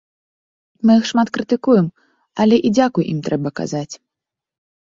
Мы іх шмат крытыкуем, але і дзякуй ім трэба казаць.